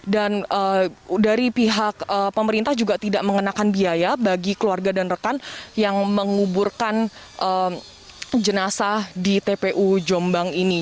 dan dari pihak pemerintah juga tidak mengenakan biaya bagi keluarga dan rekan yang menguburkan jenazah di tpu jombang ini